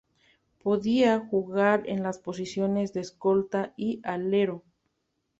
Podía jugar en las posiciones de escolta y alero.